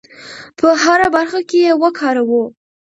په هره برخه کې یې وکاروو.